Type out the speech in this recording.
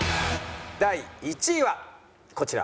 第１位はこちら。